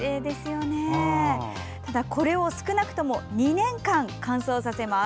これを、少なくとも２年間乾燥させます。